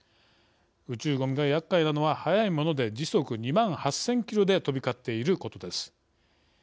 宇宙ごみが厄介なのは速いもので時速２万８０００ｋｍで飛び交っていることです。